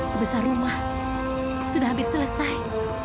sebesar rumah sudah habis selesai